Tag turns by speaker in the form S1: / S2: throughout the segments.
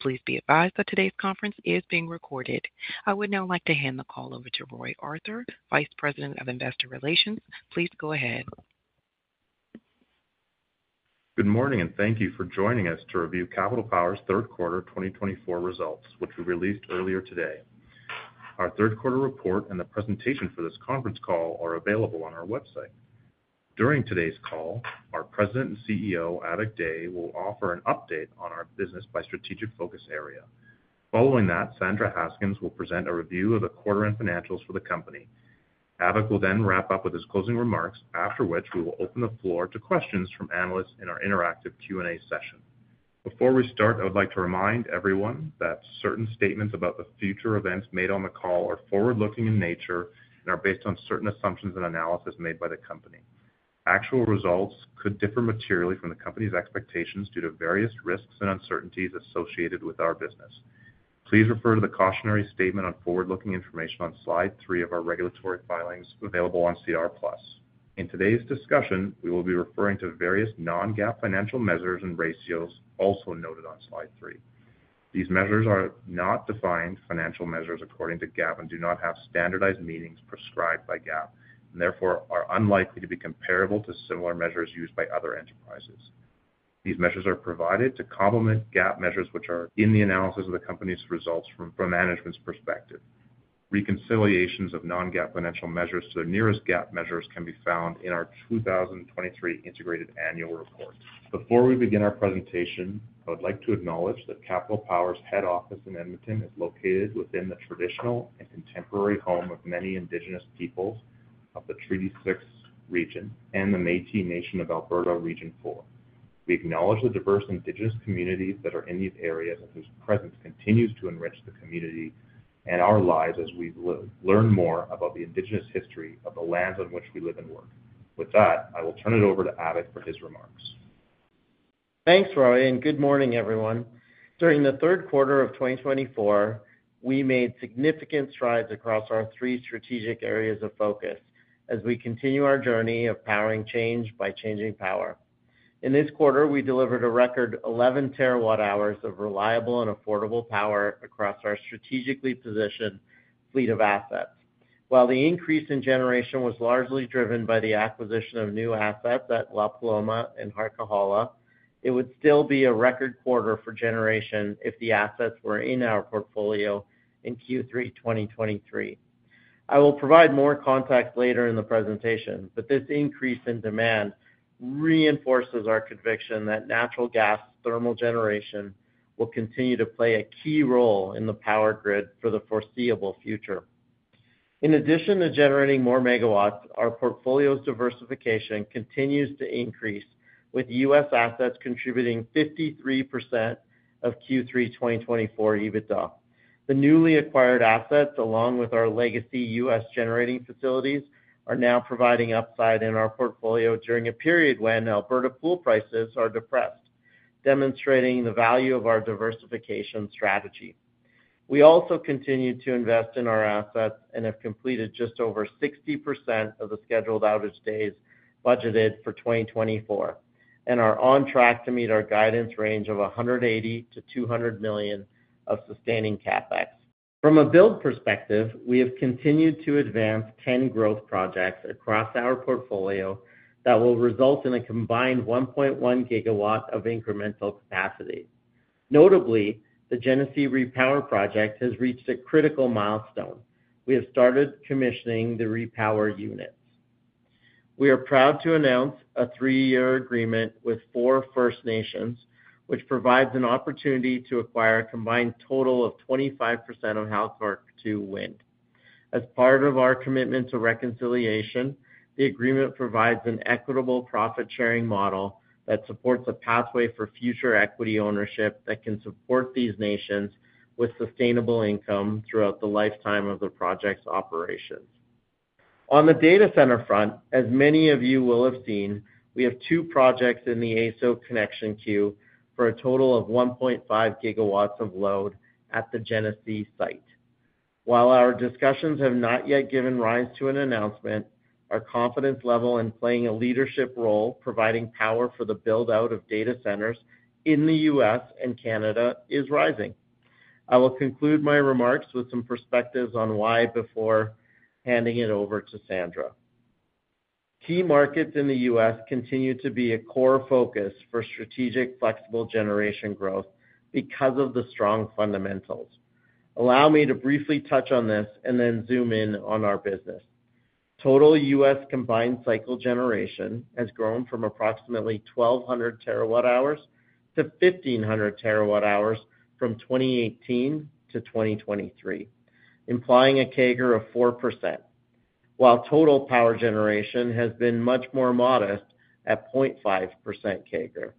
S1: Please be advised that today's conference is being recorded. I would now like to hand the call over to Roy Arthur, Vice President of Investor Relations. Please go ahead.
S2: Good morning, and thank you for joining us to review Capital Power's third quarter 2024 results, which we released earlier today. Our third quarter report and the presentation for this conference call are available on our website. During today's call, our President and CEO, Avik Dey, will offer an update on our business by strategic focus area. Following that, Sandra Haskins will present a review of the quarter and financials for the company. Avik will then wrap up with his closing remarks, after which we will open the floor to questions from analysts in our interactive Q&A session. Before we start, I would like to remind everyone that certain statements about the future events made on the call are forward-looking in nature and are based on certain assumptions and analysis made by the company. Actual results could differ materially from the company's expectations due to various risks and uncertainties associated with our business. Please refer to the cautionary statement on forward-looking information on slide three of our regulatory filings available on SEDAR+. In today's discussion, we will be referring to various non-GAAP financial measures and ratios also noted on slide three. These measures are not defined financial measures according to GAAP and do not have standardized meanings prescribed by GAAP, and therefore are unlikely to be comparable to similar measures used by other enterprises. These measures are provided to complement GAAP measures, which are in the analysis of the company's results from management's perspective. Reconciliations of non-GAAP financial measures to the nearest GAAP measures can be found in our 2023 integrated annual report. Before we begin our presentation, I would like to acknowledge that Capital Power's head office in Edmonton is located within the traditional and contemporary home of many Indigenous peoples of the Treaty Six region and the Métis Nation of Alberta Region Four. We acknowledge the diverse Indigenous communities that are in these areas and whose presence continues to enrich the community and our lives as we learn more about the Indigenous history of the lands on which we live and work. With that, I will turn it over to Avik for his remarks.
S3: Thanks, Roy, and good morning, everyone. During the third quarter of 2024, we made significant strides across our three strategic areas of focus as we continue our journey of powering change by changing power. In this quarter, we delivered a record 11 terawatt hours of reliable and affordable power across our strategically positioned fleet of assets. While the increase in generation was largely driven by the acquisition of new assets at La Paloma and Harquahala, it would still be a record quarter for generation if the assets were in our portfolio in Q3 2023. I will provide more context later in the presentation, but this increase in demand reinforces our conviction that natural gas thermal generation will continue to play a key role in the power grid for the foreseeable future. In addition to generating more megawatts, our portfolio's diversification continues to increase, with U.S. assets contributing 53% of Q3 2024 EBITDA. The newly acquired assets, along with our legacy U.S. generating facilities, are now providing upside in our portfolio during a period when Alberta pool prices are depressed, demonstrating the value of our diversification strategy. We also continue to invest in our assets and have completed just over 60% of the scheduled outage days budgeted for 2024, and are on track to meet our guidance range of 180-200 million of Sustaining CapEx. From a build perspective, we have continued to advance 10 growth projects across our portfolio that will result in a combined 1.1 gigawatt of incremental capacity. Notably, the Genesee Repowering Project has reached a critical milestone. We have started commissioning the repowering units. We are proud to announce a three-year agreement with four First Nations, which provides an opportunity to acquire a combined total of 25% of Halkirk 2 Wind. As part of our commitment to reconciliation, the agreement provides an equitable profit-sharing model that supports a pathway for future equity ownership that can support these nations with sustainable income throughout the lifetime of the project's operations. On the data center front, as many of you will have seen, we have two projects in the AESO connection queue for a total of 1.5 gigawatts of load at the Genesee site. While our discussions have not yet given rise to an announcement, our confidence level in playing a leadership role providing power for the build-out of data centers in the U.S. and Canada is rising. I will conclude my remarks with some perspectives on why before handing it over to Sandra. Key markets in the U.S. continue to be a core focus for strategic flexible generation growth because of the strong fundamentals. Allow me to briefly touch on this and then zoom in on our business. Total U.S. combined cycle generation has grown from approximately 1,200 terawatt hours to 1,500 terawatt hours from 2018 to 2023, implying a CAGR of 4%, while total power generation has been much more modest at 0.5% CAGR.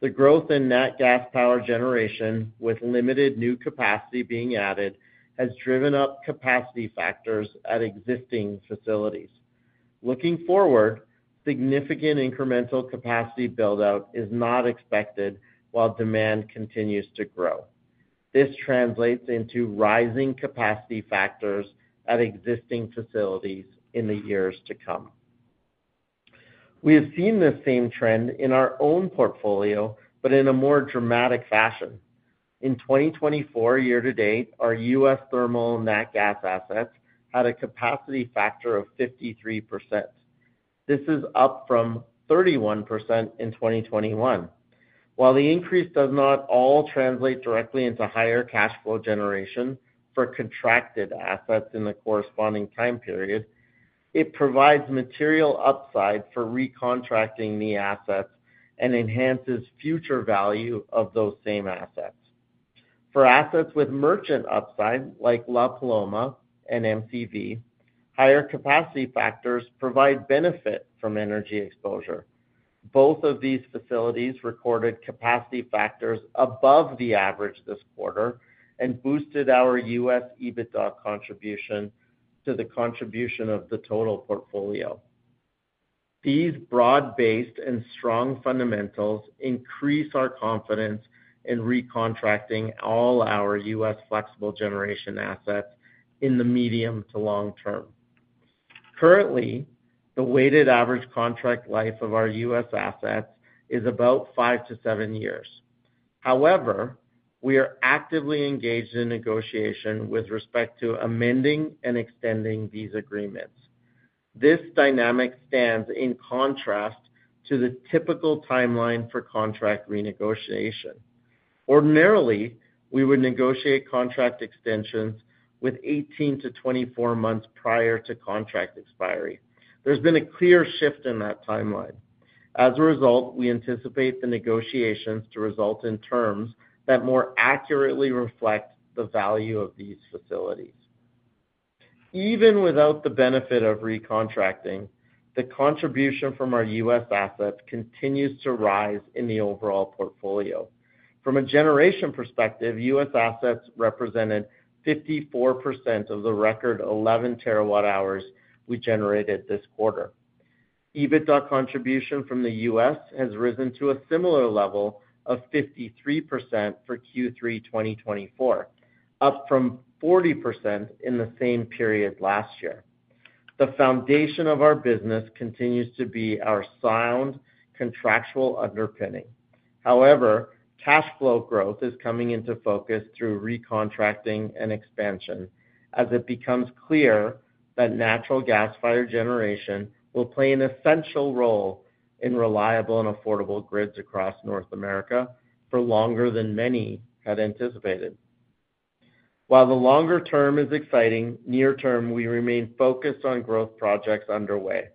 S3: The growth in net gas power generation, with limited new capacity being added, has driven up capacity factors at existing facilities. Looking forward, significant incremental capacity build-out is not expected while demand continues to grow. This translates into rising capacity factors at existing facilities in the years to come. We have seen this same trend in our own portfolio, but in a more dramatic fashion. In 2024, year to date, our U.S. thermal net gas assets had a capacity factor of 53%. This is up from 31% in 2021. While the increase does not all translate directly into higher cash flow generation for contracted assets in the corresponding time period, it provides material upside for recontracting the assets and enhances future value of those same assets. For assets with merchant upside like La Paloma and MCV, higher capacity factors provide benefit from energy exposure. Both of these facilities recorded capacity factors above the average this quarter and boosted our U.S. EBITDA contribution to the total portfolio. These broad-based and strong fundamentals increase our confidence in recontracting all our U.S. flexible generation assets in the medium to long term. Currently, the weighted average contract life of our U.S. assets is about five to seven years. However, we are actively engaged in negotiation with respect to amending and extending these agreements. This dynamic stands in contrast to the typical timeline for contract renegotiation. Ordinarily, we would negotiate contract extensions with 18-24 months prior to contract expiry. There's been a clear shift in that timeline. As a result, we anticipate the negotiations to result in terms that more accurately reflect the value of these facilities. Even without the benefit of recontracting, the contribution from our U.S. assets continues to rise in the overall portfolio. From a generation perspective, U.S. assets represented 54% of the record 11 terawatt hours we generated this quarter. EBITDA contribution from the U.S. has risen to a similar level of 53% for Q3 2024, up from 40% in the same period last year. The foundation of our business continues to be our sound contractual underpinning. However, cash flow growth is coming into focus through recontracting and expansion as it becomes clear that natural gas-fired generation will play an essential role in reliable and affordable grids across North America for longer than many had anticipated. While the longer term is exciting, near-term, we remain focused on growth projects underway.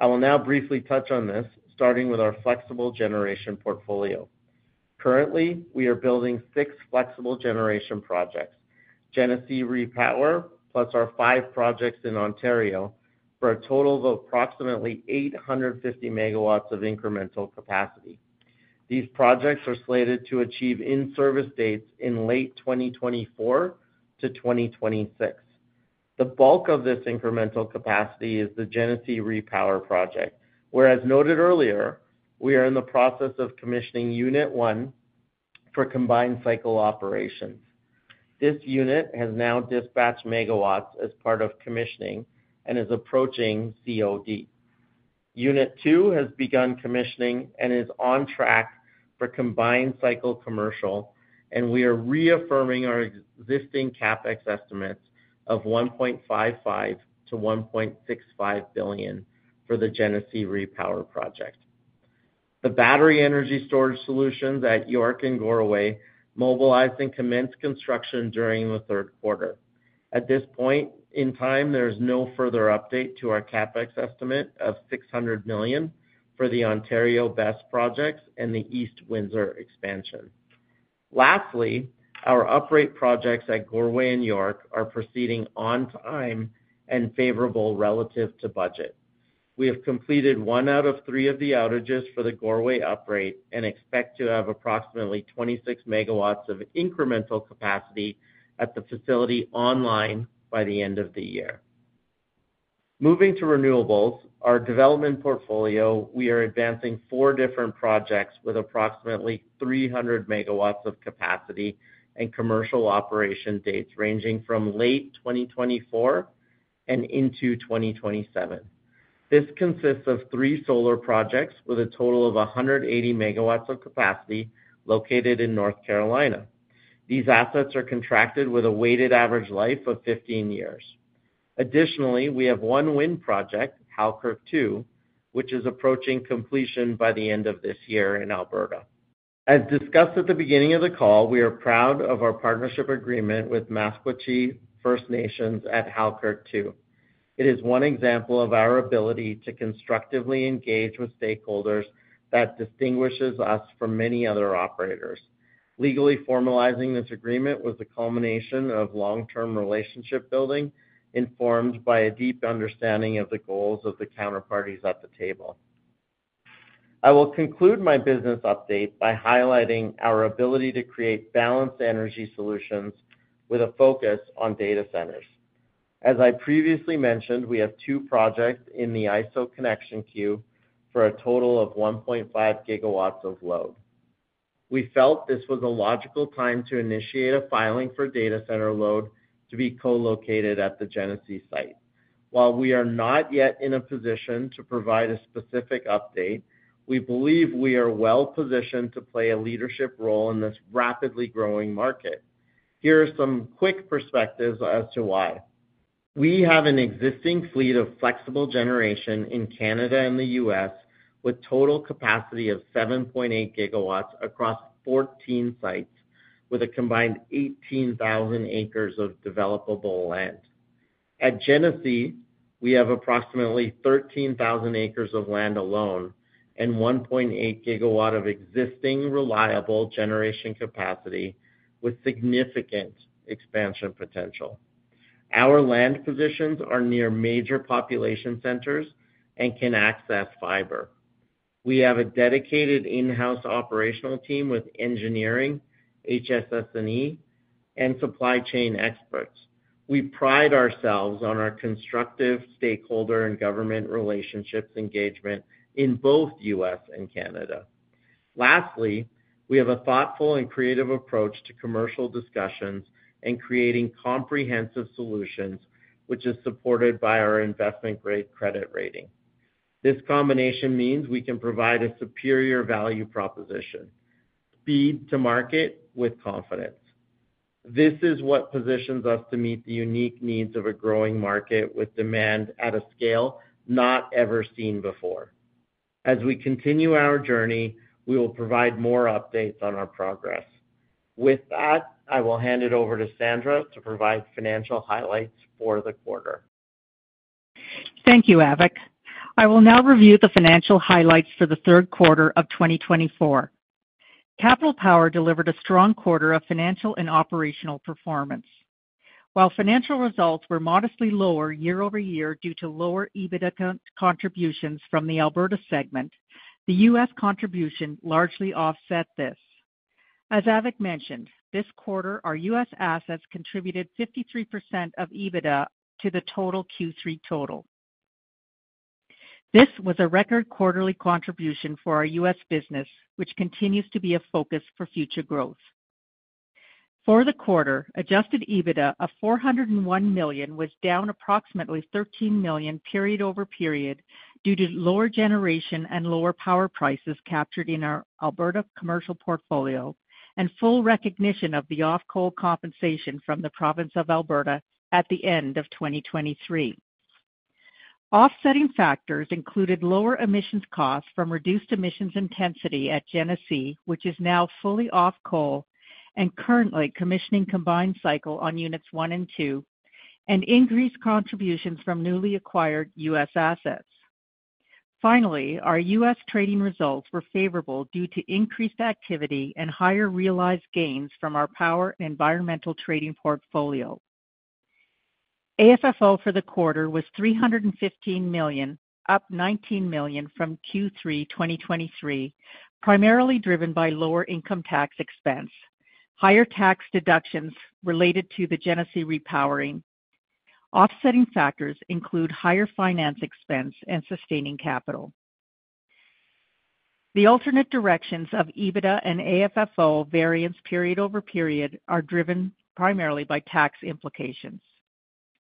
S3: I will now briefly touch on this, starting with our flexible generation portfolio. Currently, we are building six flexible generation projects: Genesee Repowering, plus our five projects in Ontario, for a total of approximately 850 megawatts of incremental capacity. These projects are slated to achieve in-service dates in late 2024 to 2026. The bulk of this incremental capacity is the Genesee Repowering project, where, as noted earlier, we are in the process of commissioning Unit 1 for combined cycle operations. This unit has now dispatched megawatts as part of commissioning and is approaching COD. Unit 2 has begun commissioning and is on track for combined cycle commercial, and we are reaffirming our existing CapEx estimates of 1.55 billion-1.65 billion for the Genesee Repowering Project. The battery energy storage solutions at York and Goreway mobilized and commenced construction during the third quarter. At this point in time, there is no further update to our CapEx estimate of 600 million for the Ontario BESS projects and the East Windsor expansion. Lastly, our uprate projects at Goreway and York are proceeding on time and favorable relative to budget. We have completed one out of three of the outages for the Goreway uprate and expect to have approximately 26 megawatts of incremental capacity at the facility online by the end of the year. Moving to renewables, our development portfolio, we are advancing four different projects with approximately 300 megawatts of capacity and commercial operation dates ranging from late 2024 and into 2027. This consists of three solar projects with a total of 180 megawatts of capacity located in North Carolina. These assets are contracted with a weighted average life of 15 years. Additionally, we have one wind project, Halkirk 2, which is approaching completion by the end of this year in Alberta. As discussed at the beginning of the call, we are proud of our partnership agreement with Maskwacis First Nations at Halkirk 2. It is one example of our ability to constructively engage with stakeholders that distinguishes us from many other operators. Legally formalizing this agreement was the culmination of long-term relationship building informed by a deep understanding of the goals of the counterparties at the table. I will conclude my business update by highlighting our ability to create balanced energy solutions with a focus on data centers. As I previously mentioned, we have two projects in the AESO connection queue for a total of 1.5 gigawatts of load. We felt this was a logical time to initiate a filing for data center load to be co-located at the Genesee site. While we are not yet in a position to provide a specific update, we believe we are well positioned to play a leadership role in this rapidly growing market. Here are some quick perspectives as to why. We have an existing fleet of flexible generation in Canada and the U.S. with total capacity of 7.8 gigawatts across 14 sites, with a combined 18,000 acres of developable land. At Genesee, we have approximately 13,000 acres of land alone and 1.8 gigawatt of existing reliable generation capacity with significant expansion potential. Our land positions are near major population centers and can access fiber. We have a dedicated in-house operational team with engineering, HSSE, and supply chain experts. We pride ourselves on our constructive stakeholder and government relationships and engagement in both U.S. and Canada. Lastly, we have a thoughtful and creative approach to commercial discussions and creating comprehensive solutions, which is supported by our investment-grade credit rating. This combination means we can provide a superior value proposition, speed to market with confidence. This is what positions us to meet the unique needs of a growing market with demand at a scale not ever seen before. As we continue our journey, we will provide more updates on our progress. With that, I will hand it over to Sandra to provide financial highlights for the quarter.
S4: Thank you, Avik. I will now review the financial highlights for the third quarter of 2024. Capital Power delivered a strong quarter of financial and operational performance. While financial results were modestly lower year over year due to lower EBITDA contributions from the Alberta segment, the U.S. contribution largely offset this. As Avik mentioned, this quarter, our U.S. assets contributed 53% of EBITDA to the total Q3 total. This was a record quarterly contribution for our U.S. business, which continues to be a focus for future growth. For the quarter, adjusted EBITDA of 401 million was down approximately 13 million period over period due to lower generation and lower power prices captured in our Alberta commercial portfolio and full recognition of the off-coal compensation from the Province of Alberta at the end of 2023. Offsetting factors included lower emissions costs from reduced emissions intensity at Genesee, which is now fully off-coal and currently commissioning combined cycle on Units 1 and 2 increased contributions from newly acquired U.S. assets. Finally, our U.S. trading results were favorable due to increased activity and higher realized gains from our power and environmental trading portfolio. AFFO for the quarter was 315 million, up 19 million from Q3 2023, primarily driven by lower income tax expense, higher tax deductions related to the Genesee Repowering. Offsetting factors include higher finance expense and sustaining capital. The alternate directions of EBITDA and AFFO variance period over period are driven primarily by tax implications.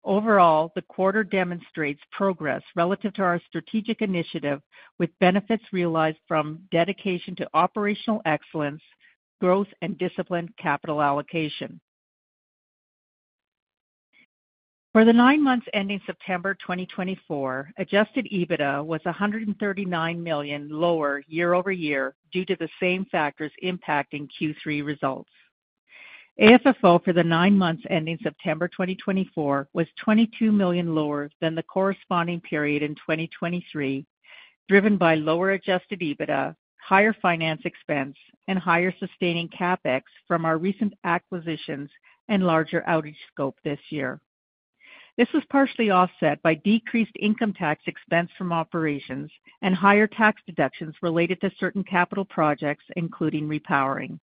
S4: Overall, the quarter demonstrates progress relative to our strategic initiative with benefits realized from dedication to operational excellence, growth, and disciplined capital allocation. For the nine months ending September 2024, adjusted EBITDA was 139 million lower year over year due to the same factors impacting Q3 results. AFFO for the nine months ending September 2024 was 22 million lower than the corresponding period in 2023, driven by lower adjusted EBITDA, higher finance expense, and higher sustaining CapEx from our recent acquisitions and larger outage scope this year. This was partially offset by decreased income tax expense from operations and higher tax deductions related to certain capital projects, including repowering.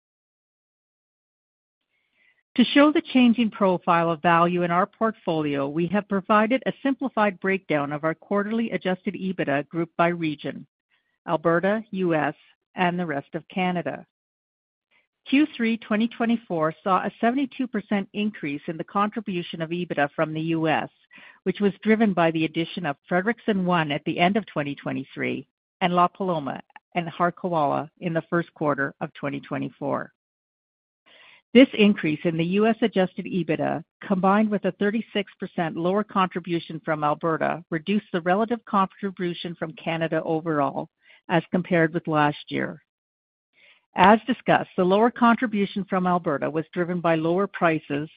S4: To show the changing profile of value in our portfolio, we have provided a simplified breakdown of our quarterly adjusted EBITDA grouped by region: Alberta, U.S., and the rest of Canada. Q3 2024 saw a 72% increase in the contribution of EBITDA from the U.S., which was driven by the addition of Frederickson 1 at the end of 2023 and La Paloma and Harquahala in the first quarter of 2024. This increase in the U.S. adjusted EBITDA, combined with a 36% lower contribution from Alberta, reduced the relative contribution from Canada overall as compared with last year. As discussed, the lower contribution from Alberta was driven by lower prices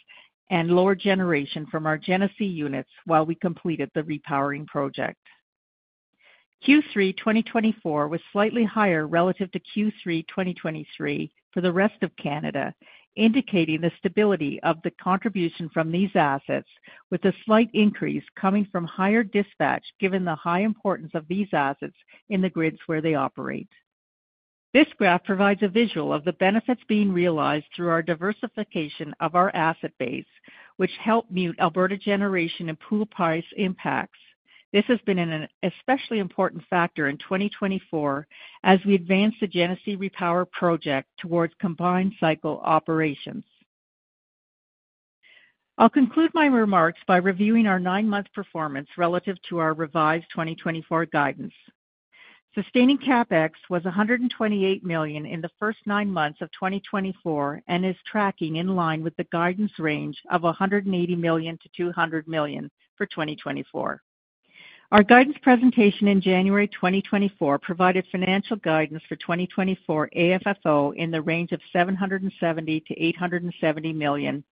S4: and lower generation from our Genesee units while we completed the repowering project. Q3 2024 was slightly higher relative to Q3 2023 for the rest of Canada, indicating the stability of the contribution from these assets, with a slight increase coming from higher dispatch given the high importance of these assets in the grids where they operate. This graph provides a visual of the benefits being realized through our diversification of our asset base, which helped mute Alberta generation and pool price impacts. This has been an especially important factor in 2024 as we advance the Genesee repowering project towards combined cycle operations. I'll conclude my remarks by reviewing our nine-month performance relative to our revised 2024 guidance. Sustaining CapEx was 128 million in the first nine months of 2024 and is tracking in line with the guidance range of 180 million-200 million for 2024. Our guidance presentation in January 2024 provided financial guidance for 2024 AFFO in the range of 770 million-870 million,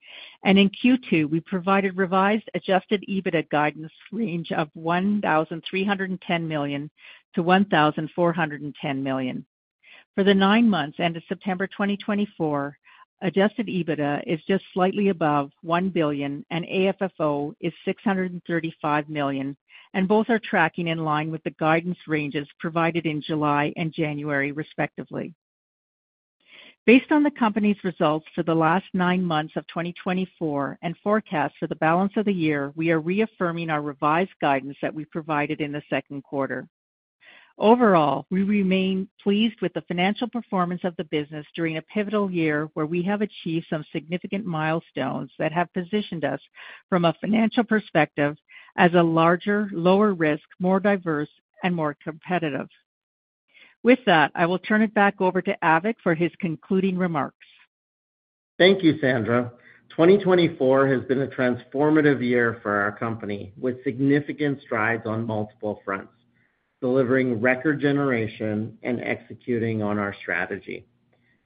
S4: and in Q2, we provided revised adjusted EBITDA guidance range of 1,310 million-1,410 million. For the nine months ended September 2024, adjusted EBITDA is just slightly above 1 billion, and AFFO is 635 million, and both are tracking in line with the guidance ranges provided in July and January, respectively. Based on the company's results for the last nine months of 2024 and forecasts for the balance of the year, we are reaffirming our revised guidance that we provided in the second quarter. Overall, we remain pleased with the financial performance of the business during a pivotal year where we have achieved some significant milestones that have positioned us from a financial perspective as a larger, lower-risk, more diverse, and more competitive. With that, I will turn it back over to Avik for his concluding remarks.
S3: Thank you, Sandra. 2024 has been a transformative year for our company, with significant strides on multiple fronts, delivering record generation and executing on our strategy.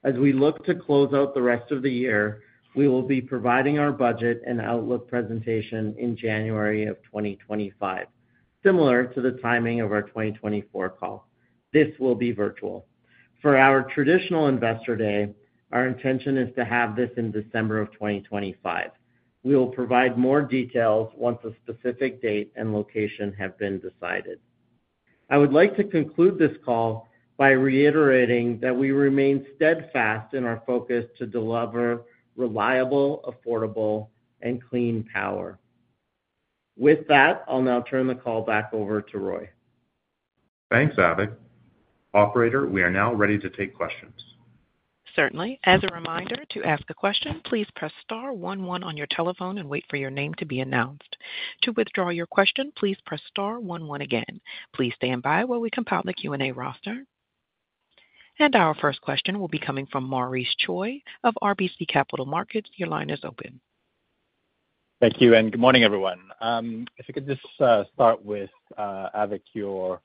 S3: As we look to close out the rest of the year, we will be providing our budget and outlook presentation in January of 2025, similar to the timing of our 2024 call. This will be virtual. For our traditional Investor Day, our intention is to have this in December of 2025. We will provide more details once a specific date and location have been decided. I would like to conclude this call by reiterating that we remain steadfast in our focus to deliver reliable, affordable, and clean power. With that, I'll now turn the call back over to Roy.
S2: Thanks, Avik. Operator, we are now ready to take questions. Certainly. As a reminder, to ask a question, please press star 11 on your telephone and wait for your name to be announced. To withdraw your question, please press star 11 again. Please stand by while we compile the Q&A roster.
S1: And our first question will be coming from Maurice Choy of RBC Capital Markets. Your line is open.
S5: Thank you, and good morning, everyone. If I could just start with, Avik, your prepared remarks.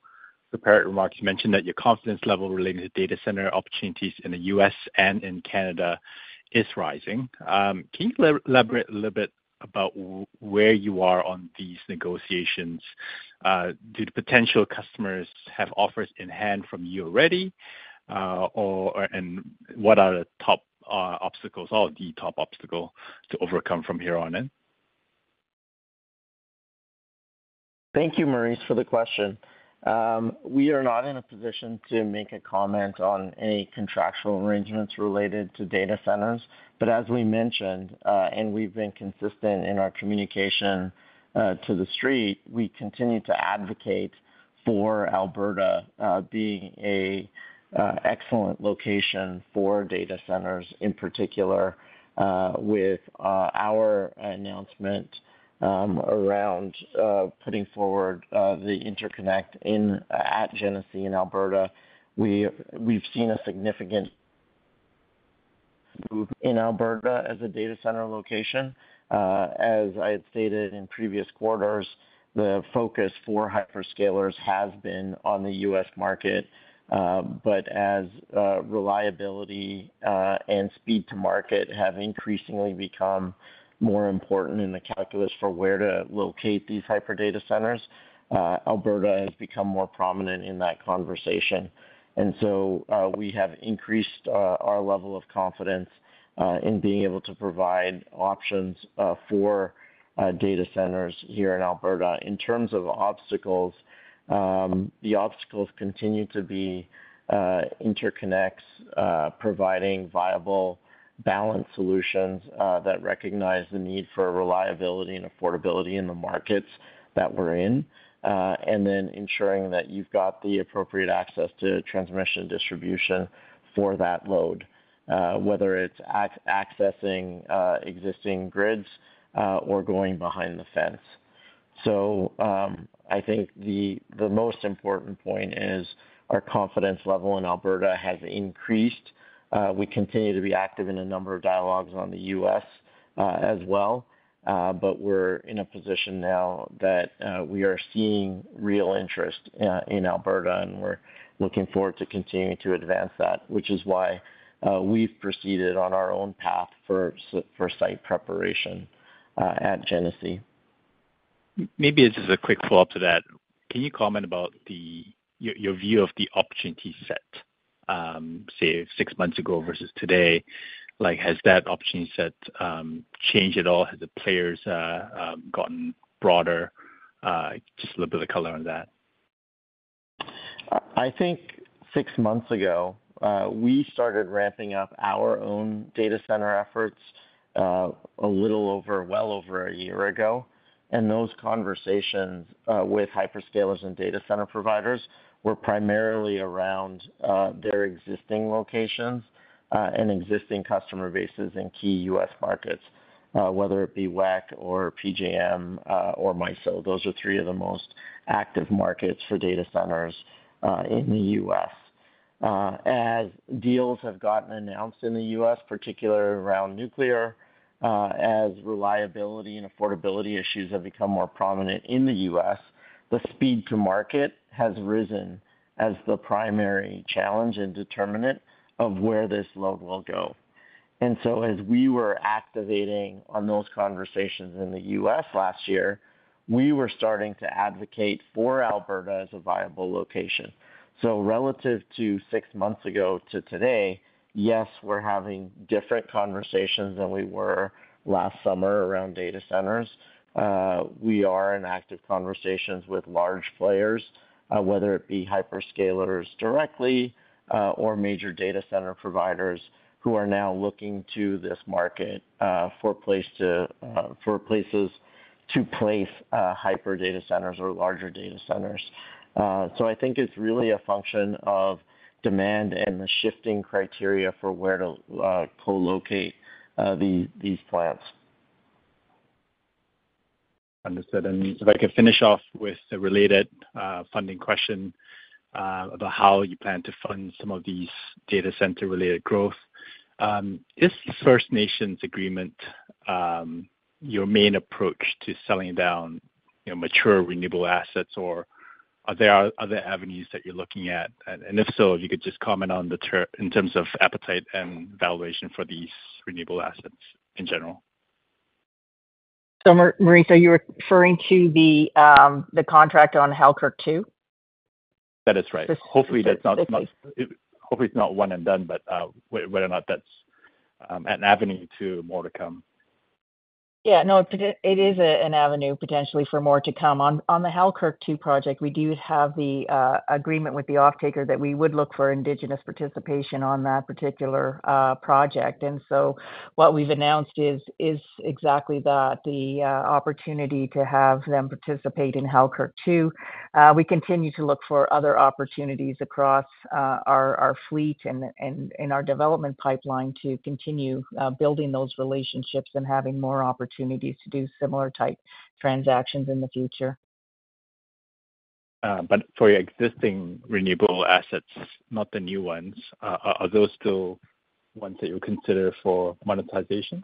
S5: You mentioned that your confidence level relating to data center opportunities in the U.S. and in Canada is rising. Can you elaborate a little bit about where you are on these negotiations? Do the potential customers have offers in hand from you already? And what are the top obstacles or the top obstacle to overcome from here on in? Thank you, Maurice, for the question. We are not in a position to make a comment on any contractual arrangements related to data centers, but as we mentioned, and we've been consistent in our communication to the street, we continue to advocate for Alberta being an excellent location for data centers. In particular, with our announcement around putting forward the interconnect at Genesee in Alberta, we've seen a significant move in Alberta as a data center location. As I had stated in previous quarters, the focus for hyperscalers has been on the U.S. market, but as reliability and speed to market have increasingly become more important in the calculus for where to locate these hyperscale data centers, Alberta has become more prominent in that conversation. And so we have increased our level of confidence in being able to provide options for data centers here in Alberta. In terms of obstacles, the obstacles continue to be interconnects, providing viable balance solutions that recognize the need for reliability and affordability in the markets that we're in, and then ensuring that you've got the appropriate access to transmission and distribution for that load, whether it's accessing existing grids or going behind the fence. So I think the most important point is our confidence level in Alberta has increased. We continue to be active in a number of dialogues on the U.S. as well, but we're in a position now that we are seeing real interest in Alberta, and we're looking forward to continuing to advance that, which is why we've proceeded on our own path for site preparation at Genesee. Maybe as a quick follow-up to that, can you comment about your view of the opportunity set, say, six months ago versus today? Has that opportunity set changed at all? Has the players gotten broader? Just a little bit of color on that. I think six months ago, we started ramping up our own data center efforts a little over, well over a year ago, and those conversations with hyperscalers and data center providers were primarily around their existing locations and existing customer bases in key U.S. markets, whether it be WECC or PJM or MISO. Those are three of the most active markets for data centers in the U.S. As deals have gotten announced in the U.S., particularly around nuclear, as reliability and affordability issues have become more prominent in the U.S., the speed to market has risen as the primary challenge and determinant of where this load will go, and so as we were activating on those conversations in the U.S. last year, we were starting to advocate for Alberta as a viable location. Relative to six months ago to today, yes, we're having different conversations than we were last summer around data centers. We are in active conversations with large players, whether it be hyperscalers directly or major data center providers who are now looking to this market for places to place hyperdata centers or larger data centers. So I think it's really a function of demand and the shifting criteria for where to co-locate these plants.
S6: Understood. And if I could finish off with a related funding question about how you plan to fund some of these data center-related growth. Is First Nations Agreement your main approach to selling down mature renewable assets, or are there other avenues that you're looking at? And if so, if you could just comment on the term in terms of appetite and valuation for these renewable assets in general.
S2: So Maurice, are you referring to the contract on Halkirk 2?
S6: That is right. Hopefully, that's not one and done, but whether or not that's an avenue to more to come.
S4: Yeah. No, it is an avenue potentially for more to come. On the Halkirk 2 project, we do have the agreement with the offtaker that we would look for indigenous participation on that particular project. And so what we've announced is exactly that: the opportunity to have them participate in Halkirk 2. We continue to look for other opportunities across our fleet and in our development pipeline to continue building those relationships and having more opportunities to do similar-type transactions in the future.
S6: But for your existing renewable assets, not the new ones, are those still ones that you consider for monetization?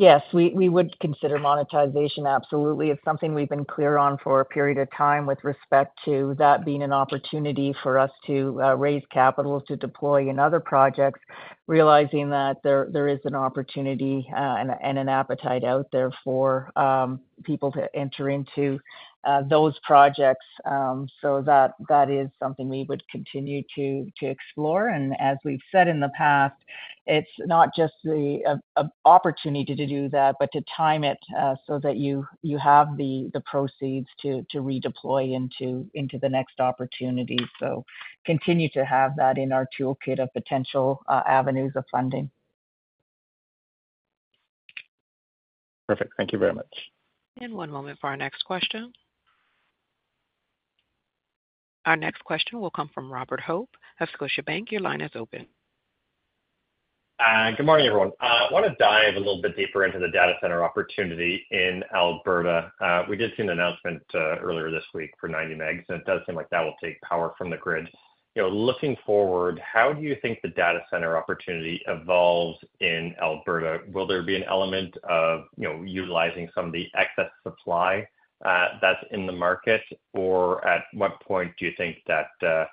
S4: Yes, we would consider monetization, absolutely. It's something we've been clear on for a period of time with respect to that being an opportunity for us to raise capital to deploy in other projects, realizing that there is an opportunity and an appetite out there for people to enter into those projects. So that is something we would continue to explore. And as we've said in the past, it's not just an opportunity to do that, but to time it so that you have the proceeds to redeploy into the next opportunity. So continue to have that in our toolkit of potential avenues of funding.
S6: Perfect. Thank you very much,
S1: and one moment for our next question. Our next question will come from Robert Hope of Scotiabank. Your line is open.
S7: Good morning, everyone. I want to dive a little bit deeper into the data center opportunity in Alberta. We did see an announcement earlier this week for 90 megs, and it does seem like that will take power from the grid. Looking forward, how do you think the data center opportunity evolves in Alberta? Will there be an element of utilizing some of the excess supply that's in the market, or at what point do you think that the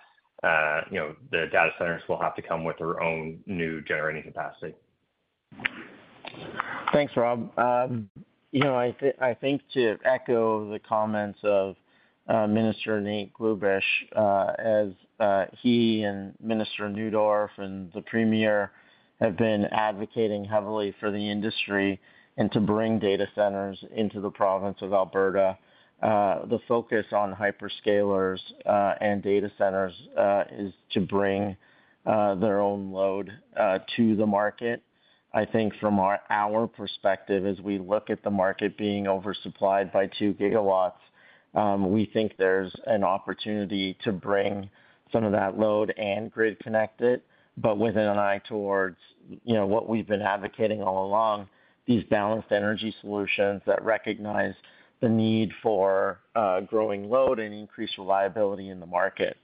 S7: data centers will have to come with their own new generating capacity?
S3: Thanks, Rob. I think to echo the comments of Minister Nate Glubish, as he and Minister Neudorf and the Premier have been advocating heavily for the industry and to bring data centers into the province of Alberta, the focus on hyperscalers and data centers is to bring their own load to the market. I think from our perspective, as we look at the market being oversupplied by two gigawatts, we think there's an opportunity to bring some of that load and grid connect it, but with an eye towards what we've been advocating all along, these balanced energy solutions that recognize the need for growing load and increased reliability in the market.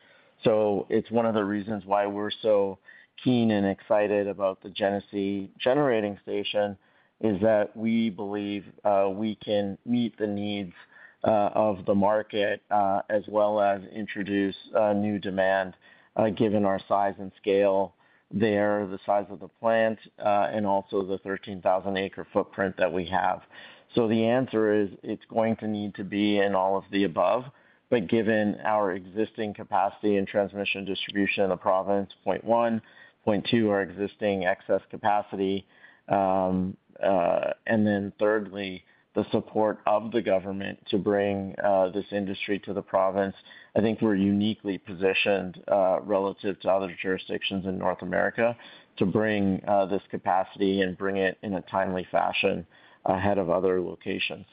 S3: So it's one of the reasons why we're so keen and excited about the Genesee Generating Station is that we believe we can meet the needs of the market as well as introduce new demand given our size and scale there, the size of the plant, and also the 13,000-acre footprint that we have. So the answer is it's going to need to be in all of the above, but given our existing capacity and transmission distribution in the province, point one, point two, our existing excess capacity, and then thirdly, the support of the government to bring this industry to the province, I think we're uniquely positioned relative to other jurisdictions in North America to bring this capacity and bring it in a timely fashion ahead of other locations.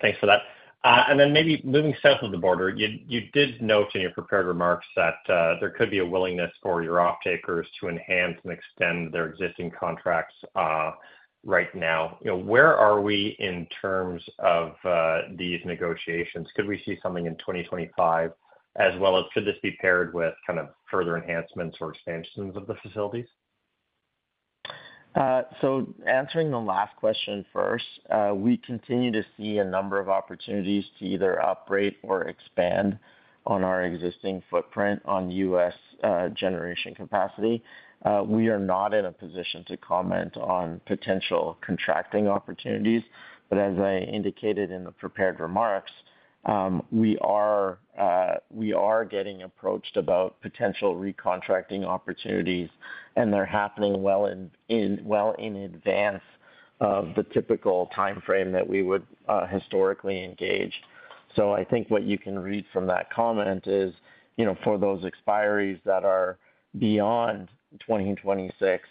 S7: Thanks for that. And then maybe moving south of the border, you did note in your prepared remarks that there could be a willingness for your offtakers to enhance and extend their existing contracts right now. Where are we in terms of these negotiations? Could we see something in 2025, as well as could this be paired with kind of further enhancements or expansions of the facilities?
S3: So answering the last question first, we continue to see a number of opportunities to either upgrade or expand on our existing footprint on U.S. generation capacity. We are not in a position to comment on potential contracting opportunities, but as I indicated in the prepared remarks, we are getting approached about potential recontracting opportunities, and they're happening well in advance of the typical timeframe that we would historically engage. So I think what you can read from that comment is for those expiries that are beyond 2026,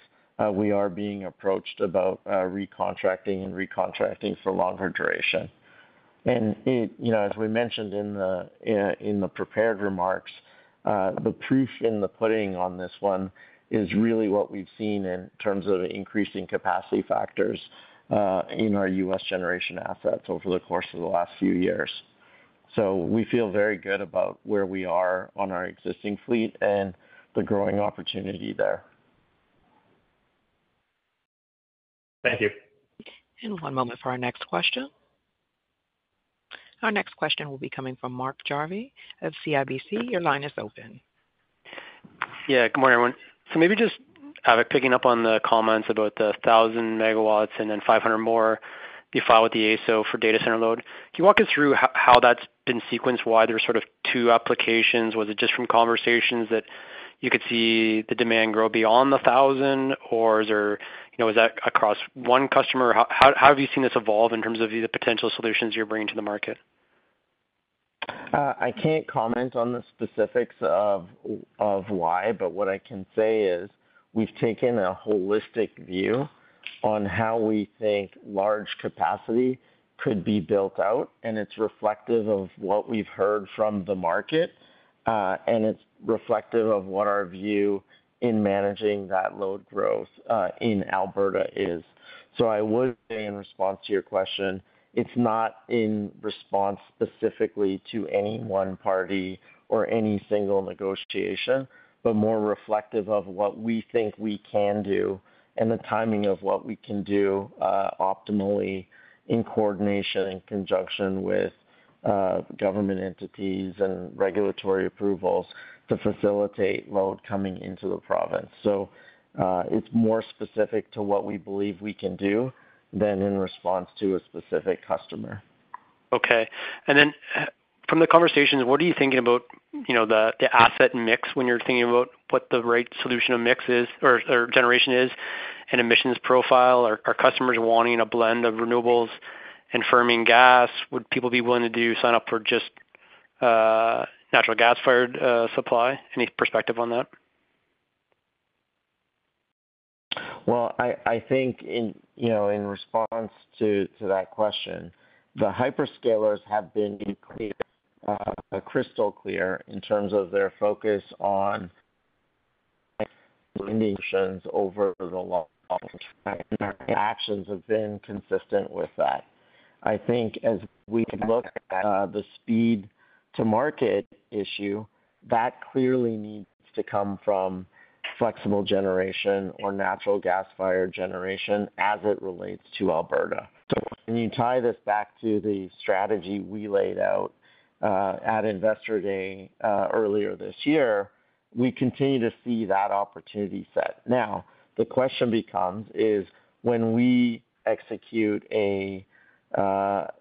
S3: we are being approached about recontracting and recontracting for longer duration. And as we mentioned in the prepared remarks, the proof in the pudding on this one is really what we've seen in terms of increasing capacity factors in our U.S. generation assets over the course of the last few years. So we feel very good about where we are on our existing fleet and the growing opportunity there.
S7: Thank you.
S1: And one moment for our next question. Our next question will be coming from Mark Jarvi of CIBC. Your line is open.
S8: Yeah. Good morning, everyone. So maybe just picking up on the comments about the 1,000 megawatts and then 500 more you file with the ASO for data center load. Can you walk us through how that's been sequenced, why there's sort of two applications? Was it just from conversations that you could see the demand grow beyond the 1,000, or is that across one customer? How have you seen this evolve in terms of the potential solutions you're bringing to the market?
S3: I can't comment on the specifics of why, but what I can say is we've taken a holistic view on how we think large capacity could be built out, and it's reflective of what we've heard from the market, and it's reflective of what our view in managing that load growth in Alberta is. So I would say in response to your question, it's not in response specifically to any one party or any single negotiation, but more reflective of what we think we can do and the timing of what we can do optimally in coordination and conjunction with government entities and regulatory approvals to facilitate load coming into the province. So it's more specific to what we believe we can do than in response to a specific customer.
S8: Okay. And then from the conversations, what are you thinking about the asset mix when you're thinking about what the right solution of mix is or generation is and emissions profile? Are customers wanting a blend of renewables and firming gas? Would people be willing to sign up for just natural gas fired supply? Any perspective on that?
S3: Well, I think in response to that question, the hyperscalers have been crystal clear in terms of their focus on emissions over the long term, and their actions have been consistent with that. I think as we look at the speed to market issue, that clearly needs to come from flexible generation or natural gas fired generation as it relates to Alberta. So when you tie this back to the strategy we laid out at Investor Day earlier this year, we continue to see that opportunity set. Now, the question becomes, when we execute our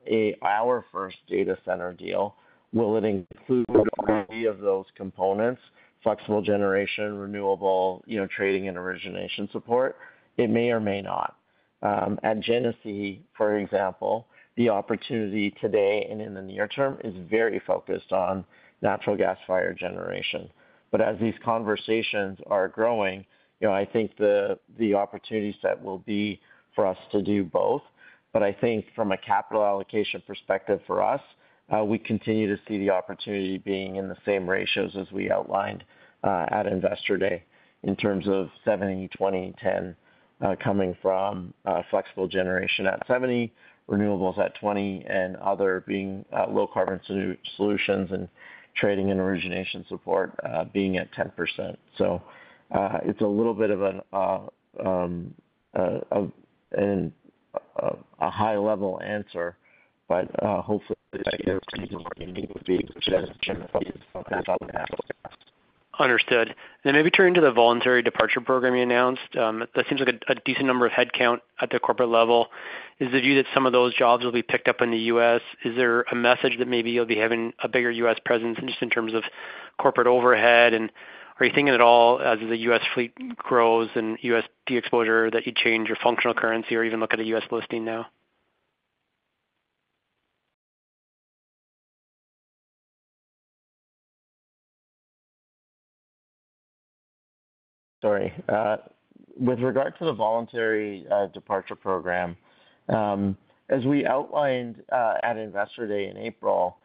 S3: first data center deal, will it include any of those components: flexible generation, renewable trading, and origination support? It may or may not. At Genesee, for example, the opportunity today and in the near term is very focused on natural gas fired generation. But as these conversations are growing, I think the opportunity set will be for us to do both. But I think from a capital allocation perspective for us, we continue to see the opportunity being in the same ratios as we outlined at Investor Day in terms of 70%, 20%, 10% coming from flexible generation at 70%, renewables at 20%, and other being low carbon solutions and trading and origination support being at 10%. So it's a little bit of a high-level answer, but hopefully the answer to what you need would be Genesee's focus on that.
S8: Understood. And maybe turning to the voluntary departure program you announced, that seems like a decent number of headcount at the corporate level. Is the view that some of those jobs will be picked up in the U.S.? Is there a message that maybe you'll be having a bigger U.S. presence just in terms of corporate overhead? And are you thinking at all as the U.S. fleet grows and U.S. deexposure that you'd change your functional currency or even look at a U.S. listing now?
S3: Sorry. With regard to the voluntary departure program, as we outlined at Investor Day in April,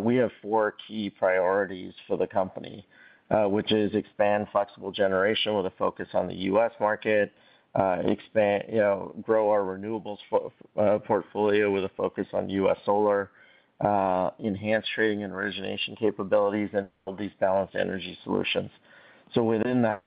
S3: we have four key priorities for the company, which is expand flexible generation with a focus on the U.S. market, grow our renewables portfolio with a focus on U.S. solar, enhance trading and origination capabilities, and build these balanced energy solutions. So within that,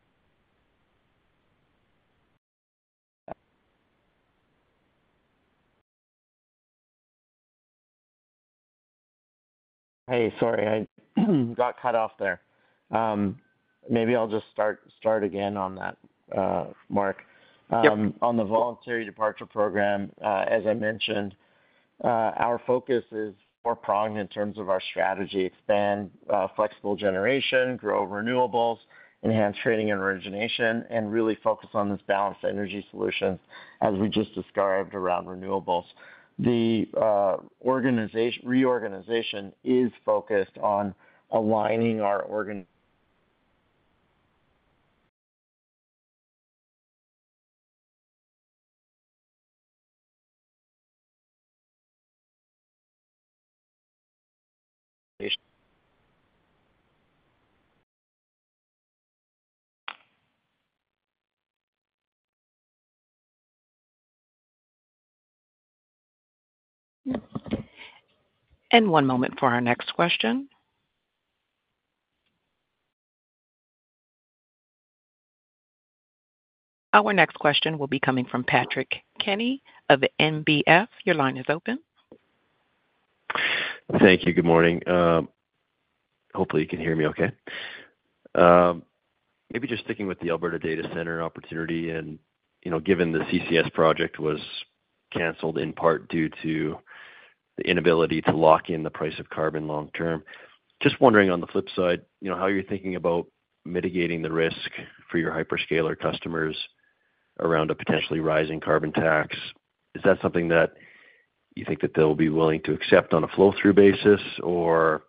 S3: hey, sorry, I got cut off there. Maybe I'll just start again on that, Mark. On the voluntary departure program, as I mentioned, our focus is multi-pronged in terms of our strategy: expand flexible generation, grow renewables, enhance trading and origination, and really focus on this balanced energy solution as we just described around renewables. The reorganization is focused on aligning our—
S1: and one moment for our next question. Our next question will be coming from Patrick Kenny of NBF. Your line is open.
S9: Thank you. Good morning. Hopefully, you can hear me okay. Maybe just sticking with the Alberta data center opportunity and given the CCS project was canceled in part due to the inability to lock in the price of carbon long term. Just wondering on the flip side, how you're thinking about mitigating the risk for your hyperscaler customers around a potentially rising carbon tax. Is that something that you think that they'll be willing to accept on a flow-through basis, or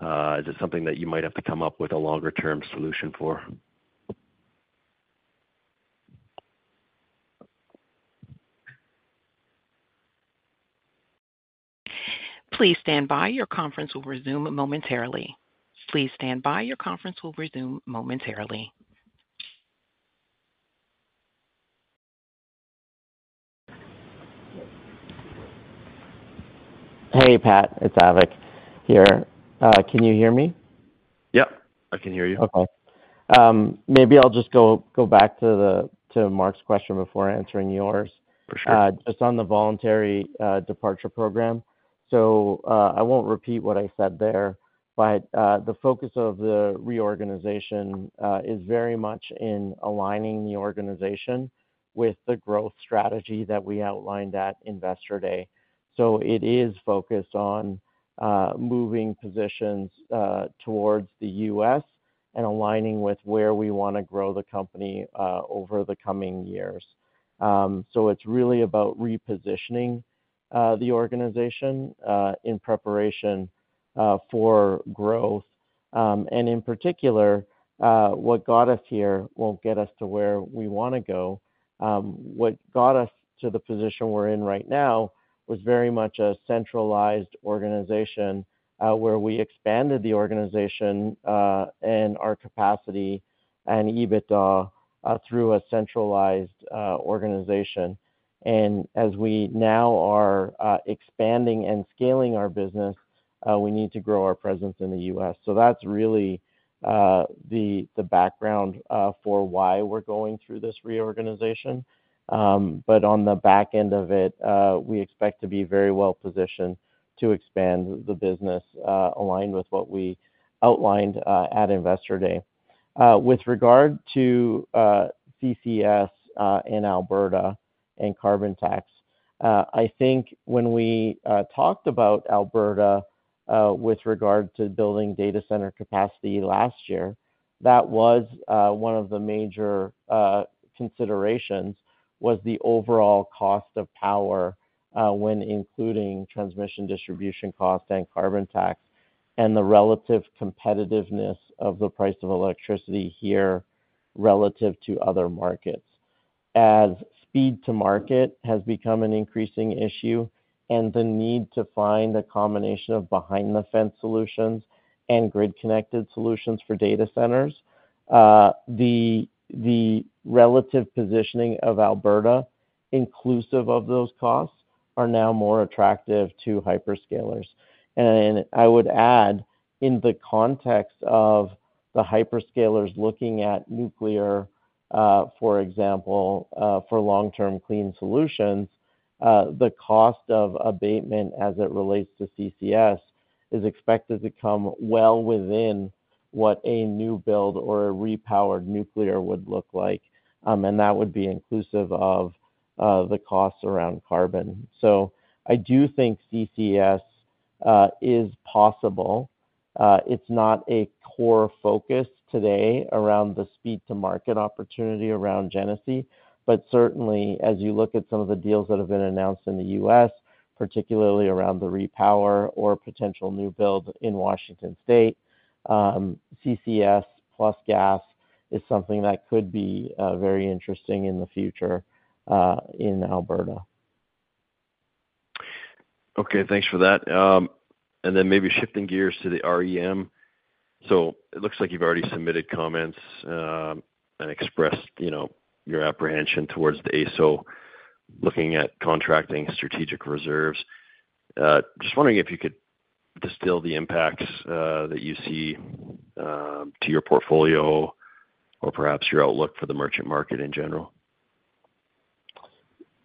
S9: is it something that you might have to come up with a longer-term solution for?
S4: Please stand by. Your conference will resume momentarily.
S3: Hey, Pat. It's Avik here. Can you hear me? Yep. I can hear you. Okay. Maybe I'll just go back to Mark's question before answering yours. Just on the voluntary departure program, so I won't repeat what I said there, but the focus of the reorganization is very much in aligning the organization with the growth strategy that we outlined at Investor Day. So it is focused on moving positions towards the U.S. and aligning with where we want to grow the company over the coming years. So it's really about repositioning the organization in preparation for growth. In particular, what got us here won't get us to where we want to go. What got us to the position we're in right now was very much a centralized organization where we expanded the organization and our capacity and EBITDA through a centralized organization. As we now are expanding and scaling our business, we need to grow our presence in the U.S. That's really the background for why we're going through this reorganization. On the back end of it, we expect to be very well positioned to expand the business aligned with what we outlined at Investor Day. With regard to CCS and Alberta and carbon tax, I think when we talked about Alberta with regard to building data center capacity last year, that was one of the major considerations was the overall cost of power when including transmission distribution cost and carbon tax and the relative competitiveness of the price of electricity here relative to other markets. As speed to market has become an increasing issue and the need to find a combination of behind-the-fence solutions and grid-connected solutions for data centers, the relative positioning of Alberta, inclusive of those costs, are now more attractive to hyperscalers. And I would add, in the context of the hyperscalers looking at nuclear, for example, for long-term clean solutions, the cost of abatement as it relates to CCS is expected to come well within what a new build or a repowered nuclear would look like. And that would be inclusive of the costs around carbon. So I do think CCS is possible. It's not a core focus today around the speed-to-market opportunity around Genesee, but certainly, as you look at some of the deals that have been announced in the U.S., particularly around the repower or potential new build in Washington State, CCS plus gas is something that could be very interesting in the future in Alberta.
S9: Okay. Thanks for that. And then maybe shifting gears to the REM. So it looks like you've already submitted comments and expressed your apprehension towards the AESO looking at contracting strategic reserves. Just wondering if you could distill the impacts that you see to your portfolio or perhaps your outlook for the merchant market in general.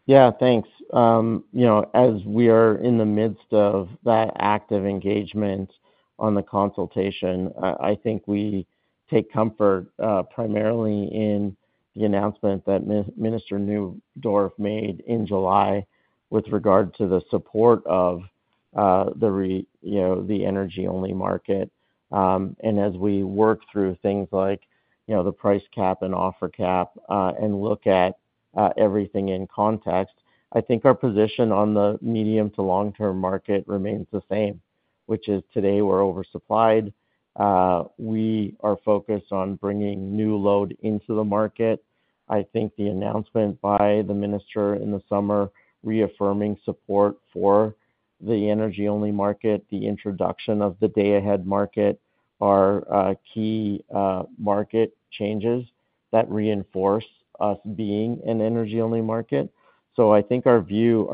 S3: Yeah. Thanks. As we are in the midst of that active engagement on the consultation, I think we take comfort primarily in the announcement that Minister Neudorf made in July with regard to the support of the energy-only market, and as we work through things like the price cap and offer cap and look at everything in context, I think our position on the medium to long-term market remains the same, which is today we're oversupplied. We are focused on bringing new load into the market. I think the announcement by the minister in the summer reaffirming support for the energy-only market, the introduction of the day-ahead market, are key market changes that reinforce us being an energy-only market, so I think our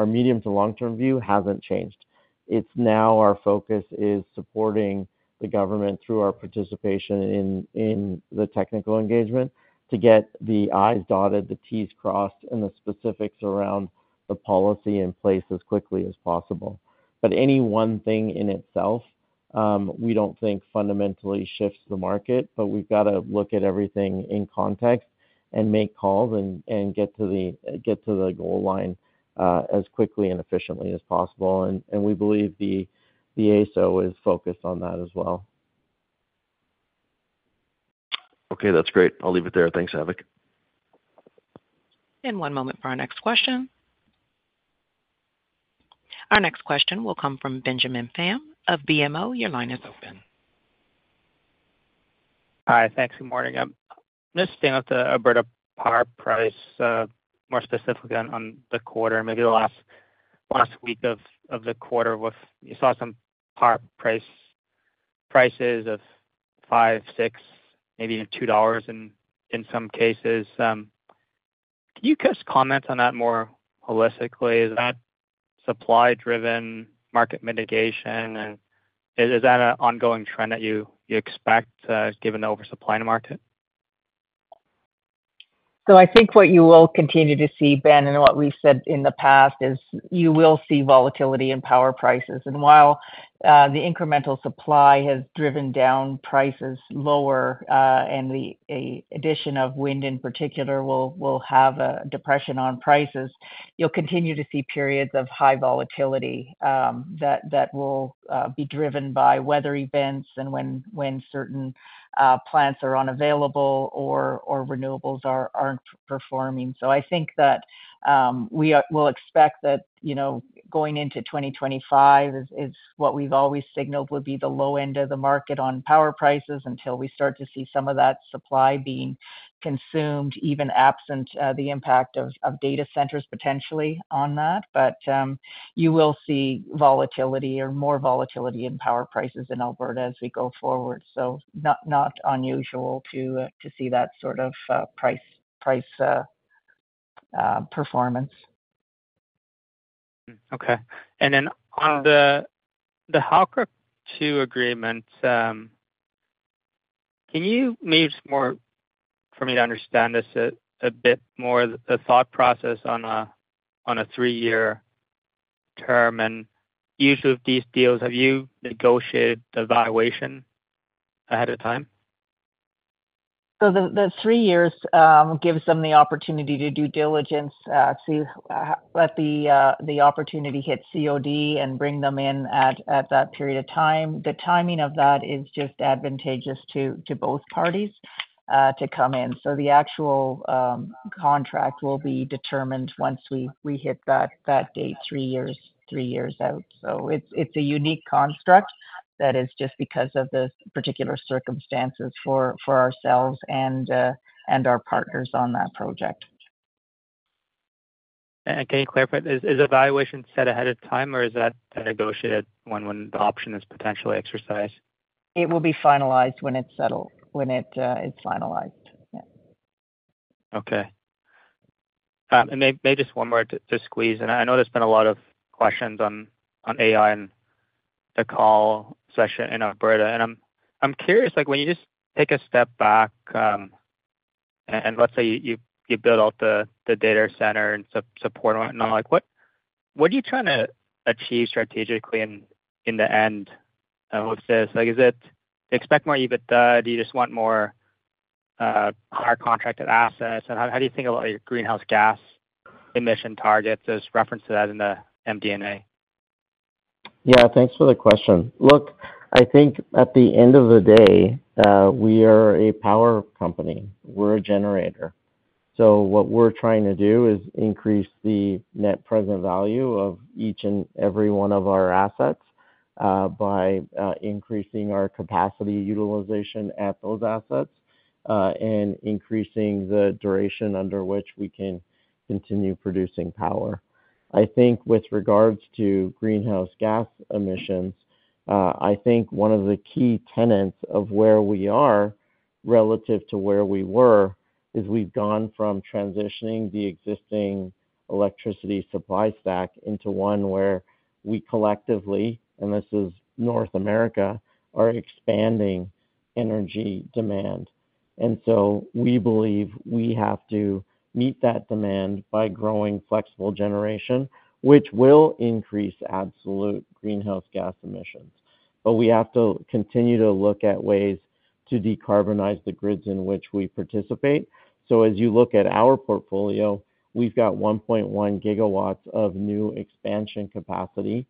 S3: medium to long-term view hasn't changed. It's now our focus is supporting the government through our participation in the technical engagement to get the i's dotted, the t's crossed, and the specifics around the policy in place as quickly as possible. But any one thing in itself, we don't think fundamentally shifts the market, but we've got to look at everything in context and make calls and get to the goal line as quickly and efficiently as possible. And we believe the ASO is focused on that as well.
S9: Okay. That's great. I'll leave it there. Thanks, Avik.
S1: And one moment for our next question. Our next question will come from Benjamin Pham of BMO. Your line is open. Hi. Thanks. Good morning.
S10: I'm just staying with the Alberta power price, more specifically on the quarter, maybe the last week of the quarter where you saw some power prices of 5, 6, maybe even 2 dollars in some cases. Can you just comment on that more holistically? Is that supply-driven market mitigation, and is that an ongoing trend that you expect given the oversupply in the market?
S4: So I think what you will continue to see, Ben, and what we've said in the past is you will see volatility in power prices. And while the incremental supply has driven down prices lower and the addition of wind in particular will have a depression on prices, you'll continue to see periods of high volatility that will be driven by weather events and when certain plants are unavailable or renewables aren't performing. I think that we will expect that going into 2025 is what we've always signaled would be the low end of the market on power prices until we start to see some of that supply being consumed, even absent the impact of data centers potentially on that, but you will see volatility or more volatility in power prices in Alberta as we go forward, so it's not unusual to see that sort of price performance.
S10: Okay. And then on the Halkirk 2 agreement, can you maybe just more for me to understand this a bit more, the thought process on a three-year term? And usually with these deals, have you negotiated the valuation ahead of time?
S4: The three years gives them the opportunity to do diligence, see what the opportunity hits COD and bring them in at that period of time. The timing of that is just advantageous to both parties to come in. So the actual contract will be determined once we hit that date, three years out. So it's a unique construct that is just because of the particular circumstances for ourselves and our partners on that project.
S10: And can you clarify, is the valuation set ahead of time, or is that negotiated when the option is potentially exercised?
S4: It will be finalized when it's finalized. Yeah.
S10: Okay. And maybe just one more to squeeze. And I know there's been a lot of questions on AI and the call session in Alberta. And I'm curious, when you just take a step back and let's say you build out the data center and support and whatnot, what are you trying to achieve strategically in the end with this? Do you expect more EBITDA? Do you just want more higher contracted assets? And how do you think about your greenhouse gas emission targets as referenced to that in the MD&A?
S3: Yeah. Thanks for the question. Look, I think at the end of the day, we are a power company. We're a generator. So what we're trying to do is increase the net present value of each and every one of our assets by increasing our capacity utilization at those assets and increasing the duration under which we can continue producing power. I think with regards to greenhouse gas emissions, I think one of the key tenets of where we are relative to where we were is we've gone from transitioning the existing electricity supply stack into one where we collectively, and this is North America, are expanding energy demand. And so we believe we have to meet that demand by growing flexible generation, which will increase absolute greenhouse gas emissions. But we have to continue to look at ways to decarbonize the grids in which we participate. So as you look at our portfolio, we've got 1.1 gigawatts of new expansion capacity.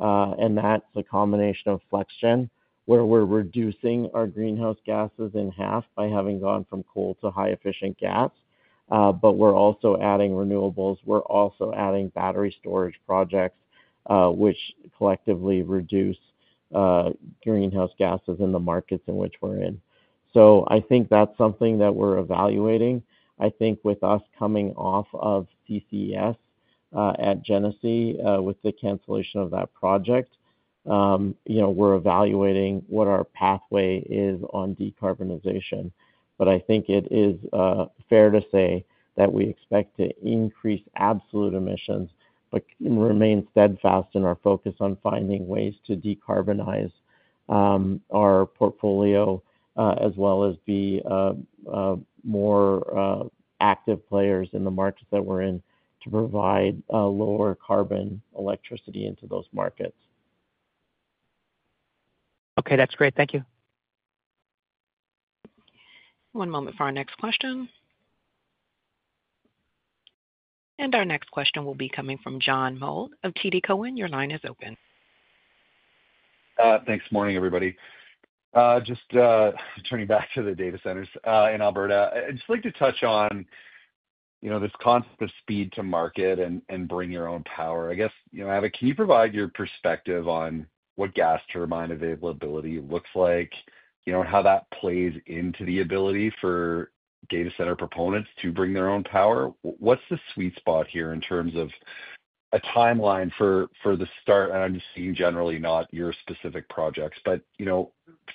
S3: And that's a combination of flex gen where we're reducing our greenhouse gases in half by having gone from coal to high-efficiency gas. But we're also adding renewables. We're also adding battery storage projects, which collectively reduce greenhouse gases in the markets in which we're in. So I think that's something that we're evaluating. I think with us coming off of CCS at Genesee with the cancellation of that project, we're evaluating what our pathway is on decarbonization. But I think it is fair to say that we expect to increase absolute emissions, but remain steadfast in our focus on finding ways to decarbonize our portfolio as well as be more active players in the markets that we're in to provide lower carbon electricity into those markets.
S10: Okay. That's great. Thank you.
S1: One moment for our next question. And our next question will be coming from John Mould of TD Cowen. Your line is open.
S11: Thanks. Morning, everybody. Just turning back to the data centers in Alberta. I'd just like to touch on this concept of speed to market and bring your own power. I guess, Avik, can you provide your perspective on what gas turbine availability looks like and how that plays into the ability for data center proponents to bring their own power? What's the sweet spot here in terms of a timeline for the start? And I'm just seeing generally, not your specific projects. But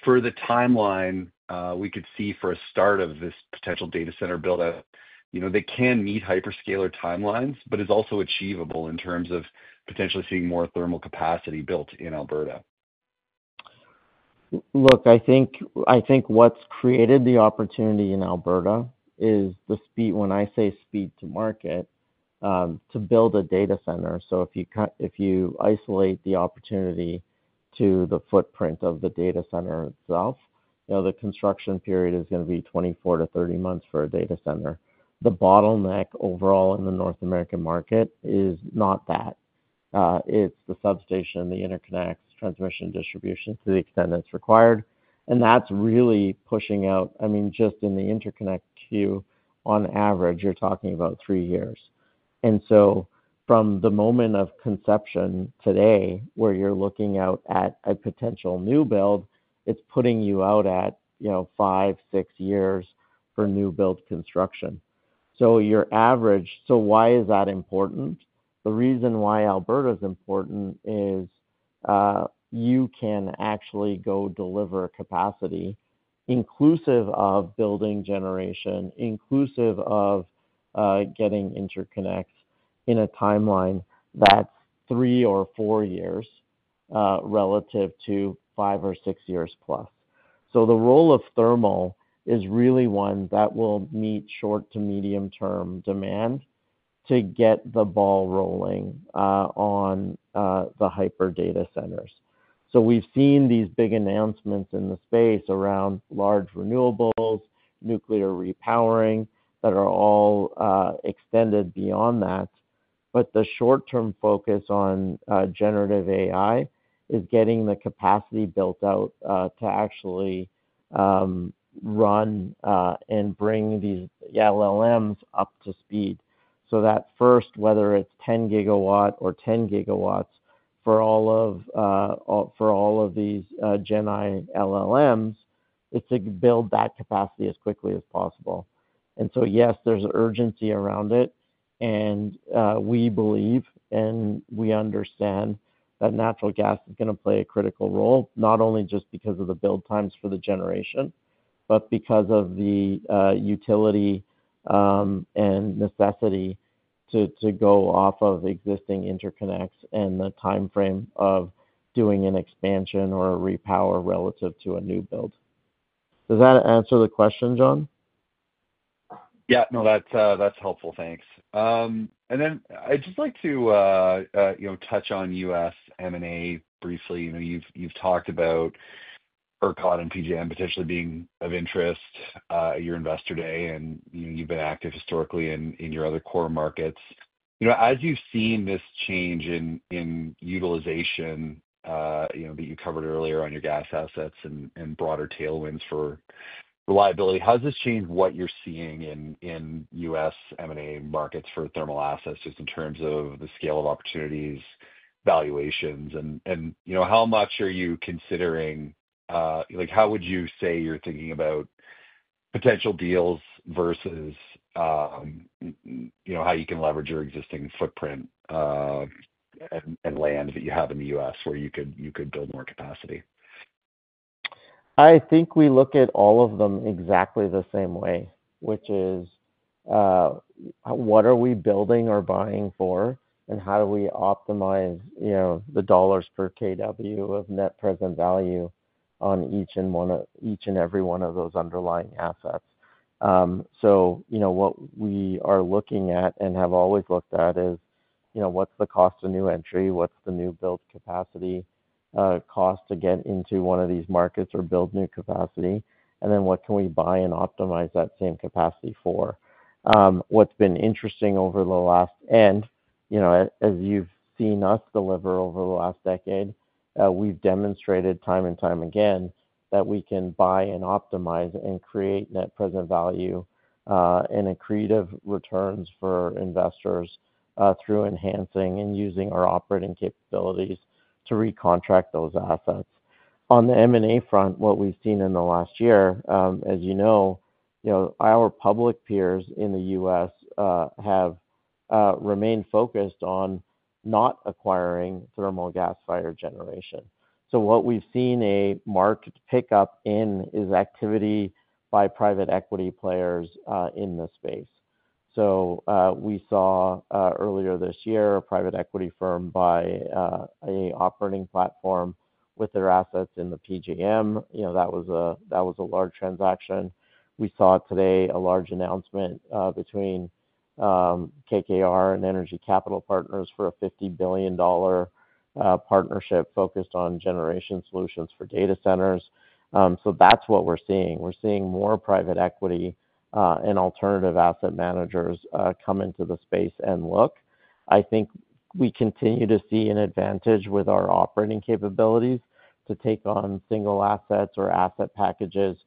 S11: for the timeline, we could see for a start of this potential data center build-out. They can meet hyperscaler timelines, but it's also achievable in terms of potentially seeing more thermal capacity built in Alberta.
S3: Look, I think what's created the opportunity in Alberta is the speed. When I say speed to market to build a data center. So if you isolate the opportunity to the footprint of the data center itself, the construction period is going to be 24-30 months for a data center. The bottleneck overall in the North American market is not that. It's the substation, the interconnects, transmission distribution to the extent it's required. And that's really pushing out. I mean, just in the interconnect queue, on average, you're talking about three years. And so from the moment of conception today, where you're looking out at a potential new build, it's putting you out at five, six years for new build construction. So why is that important? The reason why Alberta is important is you can actually go deliver capacity inclusive of building generation, inclusive of getting interconnects in a timeline that's three or four years relative to five or six years plus. So the role of thermal is really one that will meet short to medium-term demand to get the ball rolling on the hyperscale data centers. So we've seen these big announcements in the space around large renewables, nuclear repowering that are all extended beyond that. But the short-term focus on generative AI is getting the capacity built out to actually run and bring these LLMs up to speed. So that first, whether it's 10 gigawatt or 10 gigawatts for all of these GenAI LLMs, it's to build that capacity as quickly as possible. And so yes, there's urgency around it. And we believe and we understand that natural gas is going to play a critical role, not only just because of the build times for the generation, but because of the utility and necessity to go off of existing interconnects and the timeframe of doing an expansion or a repower relative to a new build. Does that answer the question, John?
S11: Yeah. No, that's helpful. Thanks. And then I'd just like to touch on U.S. M&A briefly. You've talked about ERCOT and PJM potentially being of interest at your investor day, and you've been active historically in your other core markets. As you've seen this change in utilization that you covered earlier on your gas assets and broader tailwinds for reliability, how has this changed what you're seeing in U.S. M&A markets for thermal assets just in terms of the scale of opportunities, valuations, and how much are you considering? How would you say you're thinking about potential deals versus how you can leverage your existing footprint and land that you have in the U.S. where you could build more capacity?
S3: I think we look at all of them exactly the same way, which is what are we building or buying for, and how do we optimize the dollars per kW of net present value on each and every one of those underlying assets? So what we are looking at and have always looked at is what's the cost of new entry? What's the new build capacity cost to get into one of these markets or build new capacity? And then what can we buy and optimize that same capacity for? What's been interesting over the last, and as you've seen us deliver over the last decade, we've demonstrated time and time again that we can buy and optimize and create net present value and accretive returns for investors through enhancing and using our operating capabilities to recontract those assets. On the M&A front, what we've seen in the last year, as you know, our public peers in the U.S. have remained focused on not acquiring thermal gas-fired generation. So what we've seen a marked pickup in is activity by private equity players in the space. So we saw earlier this year, a private equity firm buy an operating platform with their assets in the PJM. That was a large transaction. We saw today a large announcement between KKR and Energy Capital Partners for a $50 billion partnership focused on generation solutions for data centers. So that's what we're seeing. We're seeing more private equity and alternative asset managers come into the space and look. I think we continue to see an advantage with our operating capabilities to take on single assets or asset packages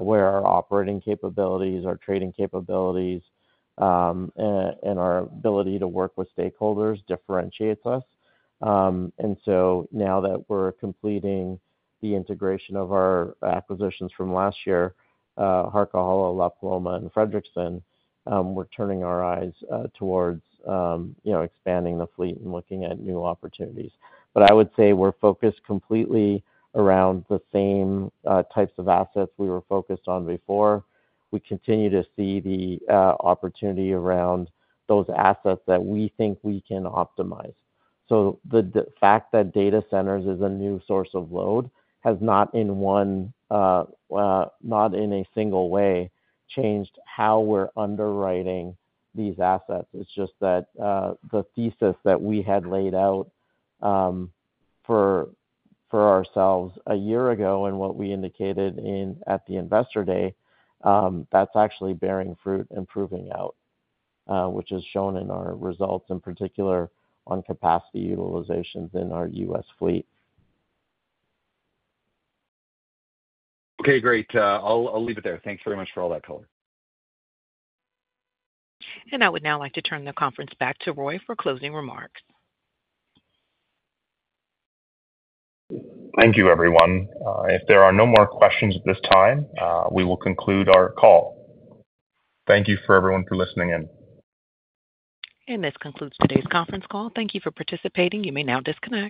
S3: where our operating capabilities, our trading capabilities, and our ability to work with stakeholders differentiates us. And so now that we're completing the integration of our acquisitions from last year, Harquahala, La Paloma, and Frederickson, we're turning our eyes towards expanding the fleet and looking at new opportunities. But I would say we're focused completely around the same types of assets we were focused on before. We continue to see the opportunity around those assets that we think we can optimize. So the fact that data centers is a new source of load has not, in one, not in a single way, changed how we're underwriting these assets. It's just that the thesis that we had laid out for ourselves a year ago and what we indicated at the investor day, that's actually bearing fruit and proving out, which is shown in our results, in particular on capacity utilizations in our U.S. fleet.
S11: Okay. Great. I'll leave it there. Thanks very much for all that, Color.
S1: And I would now like to turn the conference back to Roy for closing remarks.
S2: Thank you, everyone. If there are no more questions at this time, we will conclude our call. Thank you for everyone for listening in.
S1: And this concludes today's conference call. Thank you for participating. You may now disconnect.